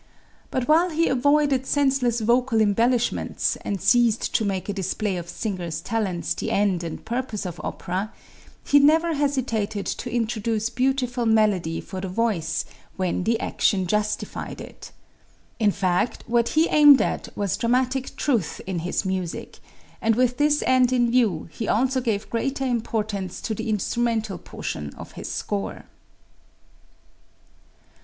But while he avoided senseless vocal embellishments and ceased to make a display of singers' talents the end and purpose of opera, he never hesitated to introduce beautiful melody for the voice when the action justified it. In fact, what he aimed at was dramatic truth in his music, and with this end in view he also gave greater importance to the instrumental portion of his score.